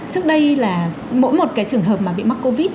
trước đây là mỗi một cái trường hợp mà bị mắc covid